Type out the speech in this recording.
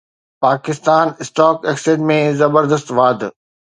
Pakistan stock exchange ۾ زبردست واڌ